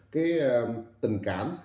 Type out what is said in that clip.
cái tình cảm